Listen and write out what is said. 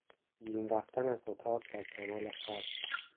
بیرون رفتن از اتاق در کمال خشم